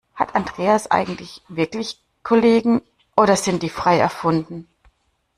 Hat Andreas eigentlich wirklich Kollegen, oder sind die frei erfunden?